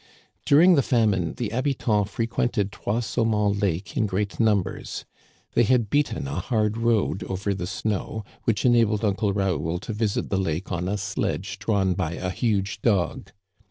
During the famine the habitants frequented Trois Sau mons Lake in great numbers ; they had beaten a hard road over the snow, which enabled Uncle Raoul to visit the lake on a sledge drawn by a huge dog.